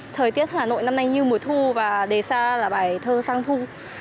thời tiết hà nội năm nay như mùa thu và đề xa là bài thơ sang thu